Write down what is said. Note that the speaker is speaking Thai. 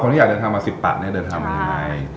คนที่อยากเดินทางมาสิบปะเนี่ยเดินทางมายังไง